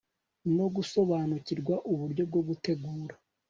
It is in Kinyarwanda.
no gusobanukirwa uburyo bwo gutegura